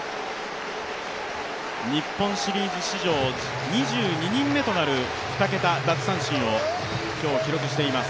日本シリーズ史上２２人目となる２桁奪三振を今日、記録しています